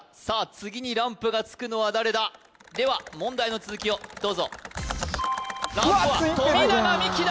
次にランプがつくのは誰だでは問題の続きをどうぞランプは富永美樹だ